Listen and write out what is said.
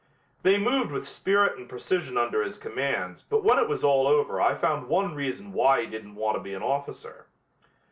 They moved with spirit and precision under his commands but when it was all over I found one reason why he didn't want to be an officer.